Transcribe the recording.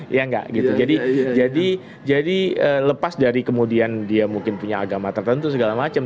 ya enggak gitu jadi lepas dari kemudian dia mungkin punya agama tertentu segala macam